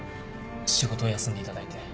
仕事を休んでいただいて。